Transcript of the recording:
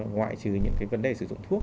ngoại trừ những cái vấn đề sử dụng thuốc